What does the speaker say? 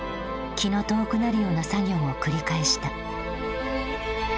気の遠くなるような作業を繰り返した。